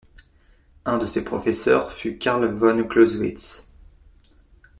Un de ses professeurs fut Karl von Clausewitz.